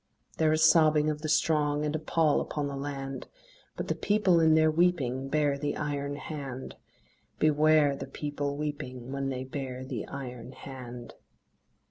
There is sobbing of the strong, And a pall upon the land; But the People in their weeping Bare the iron hand: Beware the People weeping When they bare the iron hand.